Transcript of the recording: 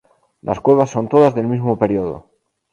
Las cuevas son todas del mismo período.